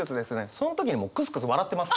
そん時にもうクスクス笑ってます。